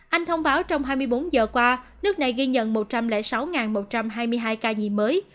anh thông báo trong hai mươi bốn giờ qua nước này ghi nhận một trăm linh sáu một trăm hai mươi hai ca nhiễm mới